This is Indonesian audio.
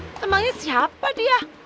temannya siapa dia